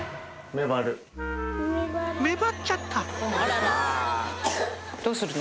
メバっちゃった！